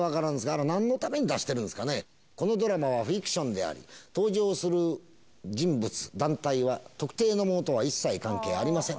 あれ、なんのために出してるんですかね、このドラマはフィクションであり、登場する人物・団体は特定のものとは一切関係ありません。